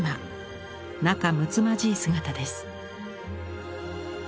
仲むつまじい姿です。